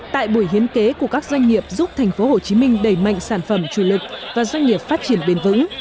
tại buổi hiến kế của các doanh nghiệp giúp tp hcm đẩy mạnh sản phẩm chủ lực và doanh nghiệp phát triển bền vững